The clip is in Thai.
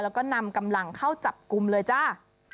แล้วก็นำกำลังเข้าจับกลุ่มเลยจ้า